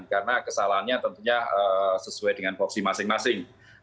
karena kesalahannya tentunya sesuai dengan voksi masing masing